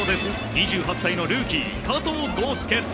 ２８歳のルーキー、加藤豪将。